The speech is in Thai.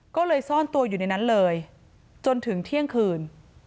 ก็เลยซ่อนตัวอยู่ในนั้นเลยจนถึงเที่ยงคืน